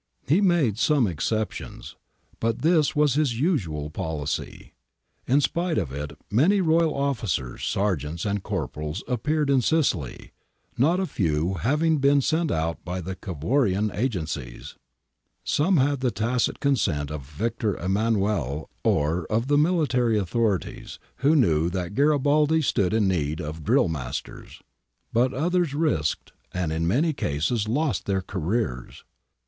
He made some exceptions, but this was his usual policy. In spite of it many royal officers, sergeants, and corporals appeared in Sicily, not a few having been sent out by the Cavourian agencies. Some had the tacit consent of Victor Emmanuel or of the military authorities, who knew that Garibaldi stood in need of drill masters ;^ but others risked and in many cases lost their careers.